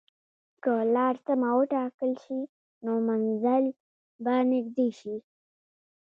که لار سمه وټاکل شي، نو منزل به نږدې شي.